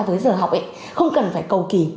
với giờ học ấy không cần phải cầu kỳ